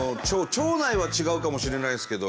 町内は違うかもしれないですけど。